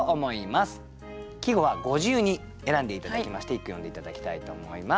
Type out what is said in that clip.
季語はご自由に選んで頂きまして一句詠んで頂きたいと思います。